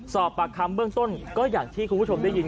สอบปากคำเบื้องต้นก็อย่างที่คุณผู้ชมได้ยิน